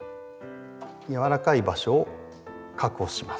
やわらかい場所を確保します。